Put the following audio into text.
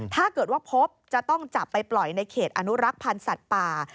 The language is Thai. ถ้าเกิดว่าพบจะต้องจับไปปล่อยในเขตอนุรักษ์พันธ์สัตว์ป่า